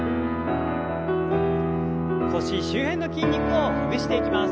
腰周辺の筋肉をほぐしていきます。